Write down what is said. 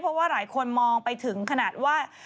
เพราะว่าหลายคนมองไปถึงขนาดว่า